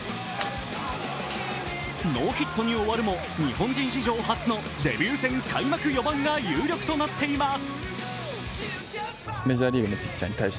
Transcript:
ノーヒットに終わるも日本人史上初の開幕４番が有力となっています。